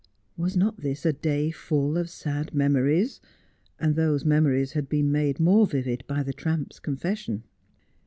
Was not this a day full of sad memories 1 and those memories had been made more vivid by the tramp's confession.